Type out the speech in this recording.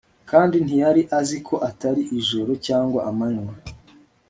Kandi ntiyari azi ko atari ijoro cyangwa amanywa